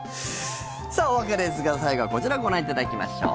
さあ、お別れですが最後はこちらをご覧いただきましょう。